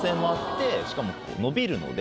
しかも伸びるので。